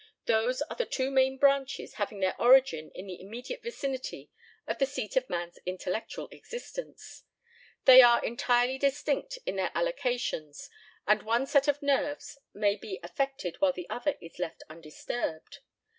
Those are the two main branches having their origin in the immediate vicinity of the seat of man's intellectual existence. They are entirely distinct in their allocations, and one set of nerves may be affected while the other is left undisturbed.